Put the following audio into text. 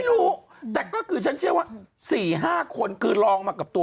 ไม่รู้แต่ก็คือฉันเชื่อว่า๔๕คนคือลองมากับตัว